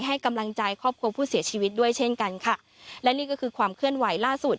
ให้กำลังใจครอบครัวผู้เสียชีวิตด้วยเช่นกันค่ะและนี่ก็คือความเคลื่อนไหวล่าสุด